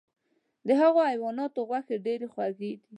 د هغو حیواناتو غوښې ډیرې خوږې دي .